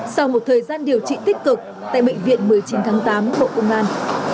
sau một thời gian điều trị tích cực tại bệnh viện một mươi chín tháng tám bộ công an